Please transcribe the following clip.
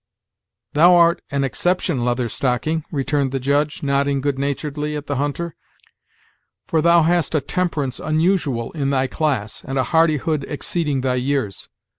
"Thou art an exception, Leather Stocking," returned the Judge, nodding good naturedly at the hunter; "for thou hast a temperance unusual in thy class, and a hardihood exceeding thy years.